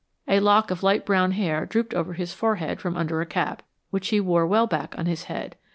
A lock of light brown hair drooped over his forehead from under a cap, which he wore well back on his head.